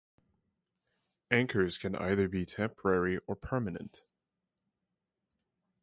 Anchors can either be temporary or permanent.